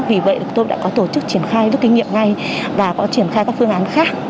vì vậy tôi đã có tổ chức triển khai rút kinh nghiệm ngay và có triển khai các phương án khác